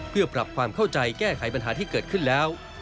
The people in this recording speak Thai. เพื่อปรับความเข้าใจแก้ไขปัญหาที่เกิดขึ้นแล้ว